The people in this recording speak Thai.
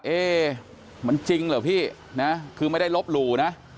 เอ๊มันจริงเหรอพี่นะคือไม่ได้ลบหลู่นะ